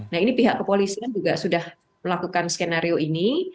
nah ini pihak kepolisian juga sudah melakukan skenario ini